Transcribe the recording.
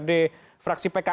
bang yani selamat malam